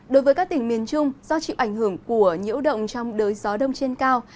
đối với các tỉnh miền trung do chịu ảnh hưởng của nhiễu động trong đới gió đông trên cao